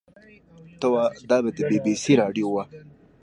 ته وا دا به د بي بي سي راډيو وه.